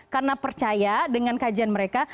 karena percaya dengan kajian mereka